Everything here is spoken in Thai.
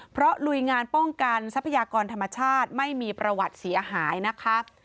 เพราะลุยงานป้องกันทรัพยากรธรรมชาติไม่มีประวัติเสียหายนะคะ